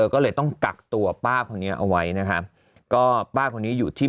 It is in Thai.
ก็เลยต้องกักตัวป้าคนนี้เอาไว้นะครับก็ป้าคนนี้อยู่ที่